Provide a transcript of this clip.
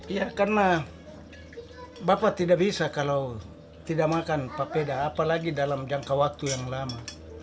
ya karena bapak tidak bisa kalau tidak makan papeda apalagi dalam jangka waktu yang lama